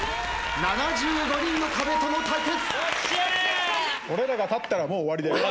７５人の壁との対決。